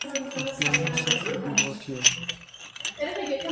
Աղբիանոսը քրմի որդի էր։